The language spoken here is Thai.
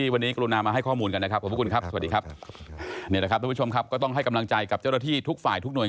วันนี้ขอบคุณครับท่านคุณครับการขอบคุณทุกท่านด้วย